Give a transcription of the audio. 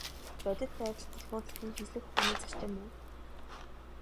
Бодит байдалд тулгуурладаг нь шинжлэх ухааны зарчим мөн.